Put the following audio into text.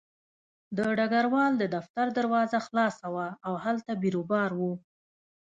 د ډګروال د دفتر دروازه خلاصه وه او هلته بیروبار و